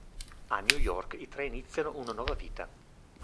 A New York i tre iniziano una nuova vita.